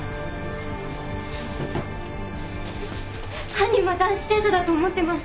犯人は男子生徒だと思ってました！